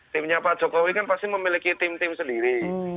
timnya pak jokowi kan pasti memiliki tim tim sendiri